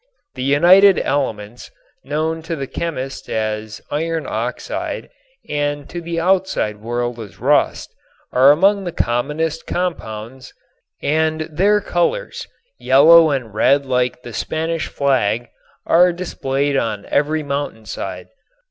The united elements, known to the chemist as iron oxide and to the outside world as rust, are among the commonest of compounds and their colors, yellow and red like the Spanish flag, are displayed on every mountainside.